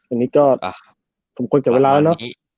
อันนี้ก็สมควรกับเวลาแล้วเนอะ